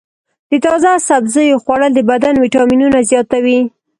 د تازه سبزیو خوړل د بدن ویټامینونه زیاتوي.